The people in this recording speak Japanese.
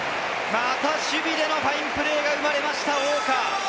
また守備でのファインプレーが生まれました、ウォーカー。